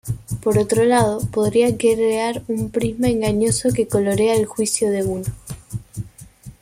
Por otro lado, podría crear un prisma engañoso que colorea el juicio de uno.